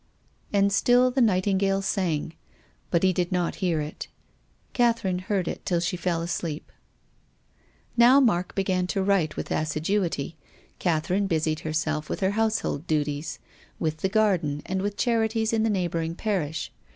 And still the nightingale sang. But he did not hear it. Catherine heard it till she fell asleep. Now Mark began to write with assiduity. Catherine busied herself with her household duties, with the garden and with charities in the neighbouring Parish.